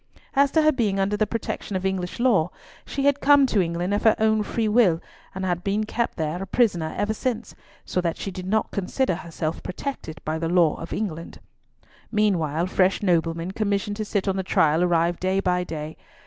As to her being under the protection of English law, she had come to England of her own free will, and had been kept there a prisoner ever since, so that she did not consider herself protected by the law of England. Meanwhile fresh noblemen commissioned to sit on the trial arrived day by day.